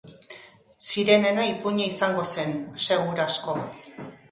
Sirenena ipuina izango zen, seguru asko.